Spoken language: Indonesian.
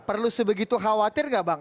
perlu sebegitu khawatir nggak bang